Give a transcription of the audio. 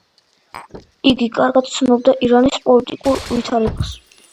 იგი კარგად იცნობდა ირანის პოლიტიკურ ვითარებას.